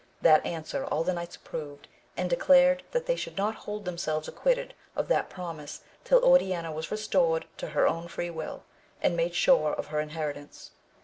That an swer all the knights approved, and declared that they should not hold themselves acquitted of that promise till Oriana was restored to her own free wiQ, and made sure of her inheritance.